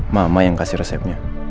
mama yang kasih resepnya